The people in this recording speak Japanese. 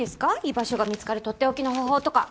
居場所が見つかる取って置きの方法とか。